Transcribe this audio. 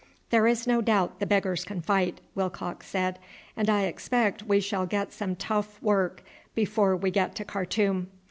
"There is no doubt the beggars can fight," Willcox said; "and I expect we shall get some tough work before we get to Khartoum.